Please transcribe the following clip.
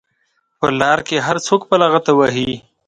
په لار کې هر څوک په لغته وهي.